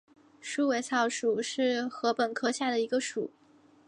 束尾草属是禾本科下的一个属。